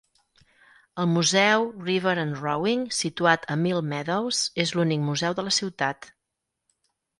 El museu River and Rowing, situat a Mill Meadows, és l'únic museu de la ciutat.